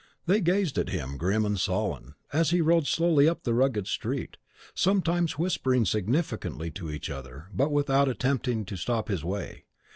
They gazed at him, grim and sullen, as he rode slowly up the rugged street; sometimes whispering significantly to each other, but without attempting to stop his way.